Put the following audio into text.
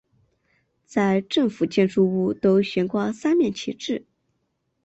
在政府建筑物都悬挂三面旗帜。